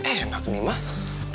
eh enak nih mah